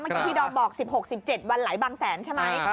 เมื่อกี้ที่ดอมบอก๑๖๑๗วันไหลบางแสนใช่ไหม